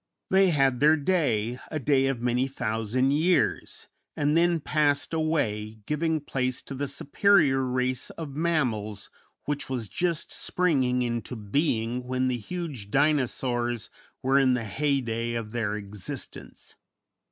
They had their day, a day of many thousand years, and then passed away, giving place to the superior race of mammals which was just springing into being when the huge Dinosaurs were in the heyday of their existence.